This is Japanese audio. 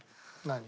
何？